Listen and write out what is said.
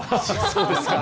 そうですか。